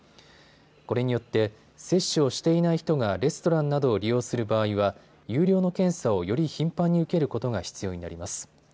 これによって接種をしていない人がレストランなどを利用する場合は有料の検査をより頻繁に受けることが必要になります。